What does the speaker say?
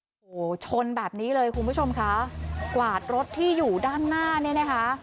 โอ้โหชนแบบนี้เลยคุณผู้ชมค่ะกวาดรถที่อยู่ด้านหน้าเนี่ยนะคะ